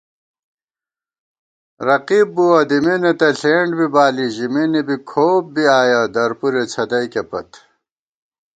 رقیب بُوَہ دِمېنےتہ ݪینڈ بی بالی ژِمېنےبی کھوپ بی آیَہ درپُرے څھدَئیکےپت